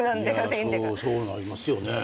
いやそうなりますよね。